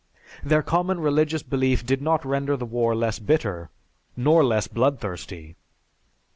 Their common religious belief did not render the war less bitter nor less bloodthirsty.